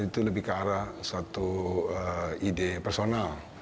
itu lebih ke arah satu ide personal